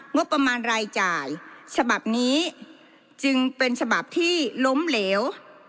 งบประมาณรายจ่ายฉบับนี้จึงเป็นฉบับที่ล้มเหลว